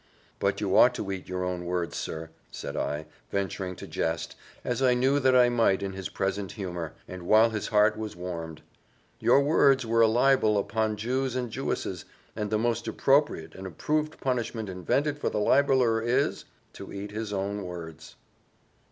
"But you ought to eat your own words, sir," said I, venturing to jest, as I knew that I might in his present humour, and while his heart was warmed; "your words were a libel upon Jews and Jewesses; and the most appropriate and approved punishment invented for the libeller is to eat his own words."